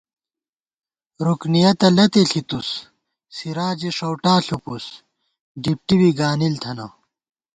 رُکنِیَتہ لَتےݪِتُوس سِراجے ݭَؤٹا ݪُپَوُس ڈِپٹی بی گانِل تھنہ